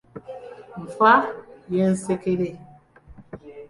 Enfa y'ensekere.